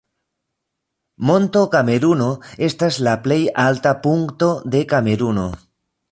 Monto Kameruno estas la plej alta punkto de Kameruno.